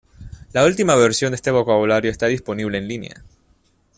La última versión de este vocabulario está disponible en línea.